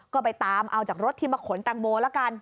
ก็ไปตามเอาจากรถที่มาขนแตงโมละกัน